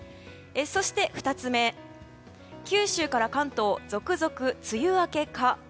そして２つ目、九州から関東続々梅雨明けか。